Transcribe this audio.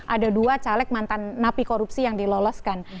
ada dua caleg mantan napi korupsi yang diloloskan